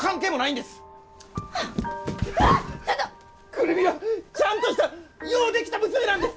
久留美はちゃんとしたようできた娘なんです！